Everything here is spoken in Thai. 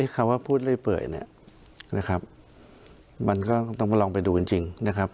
อ๋อเขาว่าพูดด้วยเปื่อยเนี่ยนะครับมันก็ต้องมาลองไปดูจริงจริงนะครับ